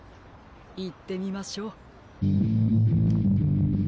いってみましょう。